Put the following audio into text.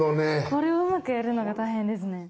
これをうまくやるのが大変ですね。